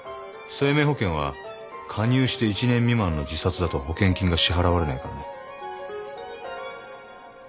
生命保険は加入して１年未満の自殺だと保険金が支払われないからね。